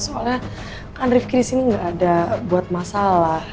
soalnya kan rifki disini gak ada buat masalah